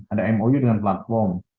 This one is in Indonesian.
ada mou dengan platform